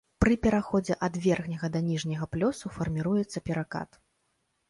Пры пераходзе ад верхняга да ніжняга плёсу фарміруецца перакат.